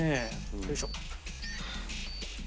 よいしょ。